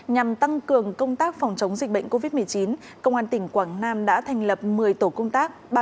nhằm tăng cường công tác phòng chống dịch bệnh covid một mươi chín công an tỉnh quảng nam đã thành lập một mươi tổ công tác